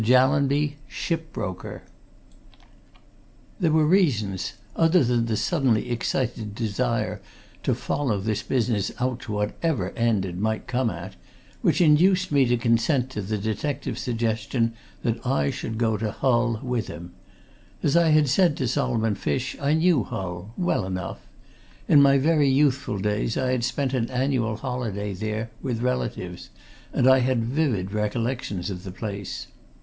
JALLANBY SHIP BROKER There were reasons, other than the suddenly excited desire to follow this business out to whatever end it might come at, which induced me to consent to the detective's suggestion that I should go to Hull with him. As I had said to Solomon Fish, I knew Hull well enough. In my very youthful days I had spent an annual holiday there, with relatives, and I had vivid recollections of the place.